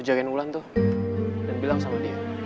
lo jagain ulan tuh dan bilang sama dia